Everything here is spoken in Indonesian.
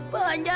pak jangan pak